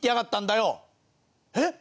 「えっ？